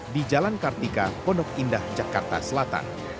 di jalan kartika pondok indah jakarta selatan